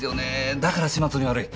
だから始末に悪い。